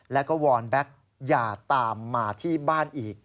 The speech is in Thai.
แล้วก็วอนแบ็คอย่าตามมาที่บ้านอีก